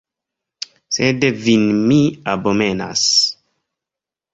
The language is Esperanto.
Sed vin mi abomenas.